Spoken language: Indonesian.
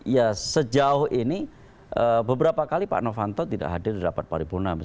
ya sejauh ini beberapa kali pak novanto tidak hadir di rapat paripurna